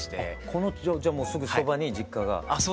このじゃもうすぐそばに実家があると。